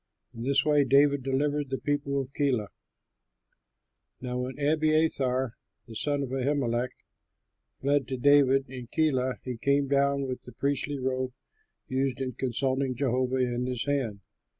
In this way David delivered the people of Keilah. Now when Abiathar, the son of Ahimelech, fled to David in Keilah, he came down with the priestly robe used in consulting Jehovah in his hand.